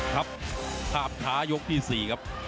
ครับถาบท้ายกที่สี่ครับ